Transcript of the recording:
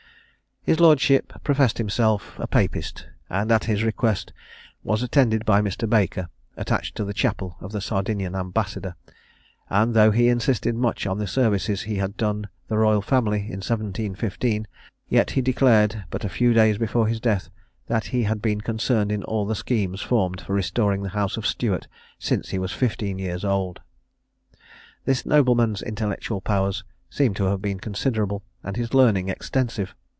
His lordship professed himself a papist, and, at his request, was attended by Mr. Baker, attached to the chapel of the Sardinian ambassador; and though he insisted much on the services he had done the royal family in 1715, yet he declared, but a few days before his death, that he had been concerned in all the schemes formed for restoring the house of Stuart since he was fifteen years old. This nobleman's intellectual powers seem to have been considerable, and his learning extensive.